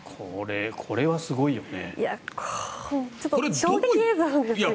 これはすごいよね。